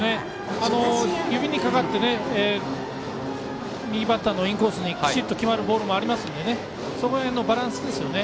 指にかかって右バッターのインコースにきちっと決まるボールもありますのでそこら辺のバランスですね。